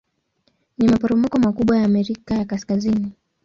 Ni maporomoko makubwa ya Amerika ya Kaskazini.